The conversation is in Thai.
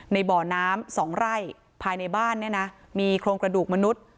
ในบ่อน้ำสองไร่ภายในบ้านเนี่ยนะมีโครงกระดูกมนุษย์